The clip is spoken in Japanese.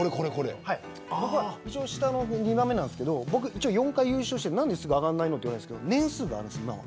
僕は一応下から２番目なんですけど僕、一応４回優勝して何ですぐ上がらないのと言われたんですけど年数があるんです。